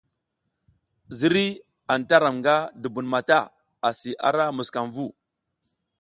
Ziriy anta ram nga dubun mata, asi ara muskamvu.